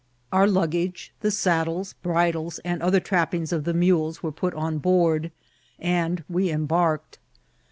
Our luggage, the saddles, bridles, and other trappings of the mules, were put on board, and we embarked.